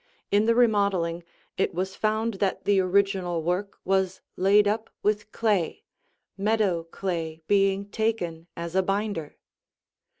In the remodeling, it was found that the original work was laid up with clay, meadow clay being taken as a binder.